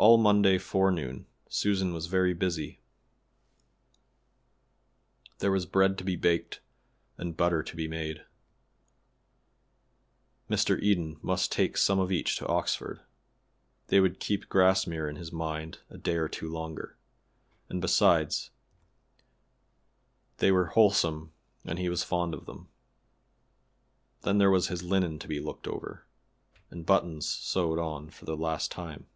All Monday forenoon Susan was very busy. There was bread to be baked and butter to be made. Mr. Eden must take some of each to Oxford. They would keep Grassmere in his mind a day or two longer; and besides they were wholesome and he was fond of them. Then there was his linen to be looked over, and buttons sewed on for the last time.